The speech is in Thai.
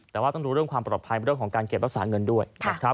แต่ว่าต้องดูเรื่องความปลอดภัยเรื่องของการเก็บรักษาเงินด้วยนะครับ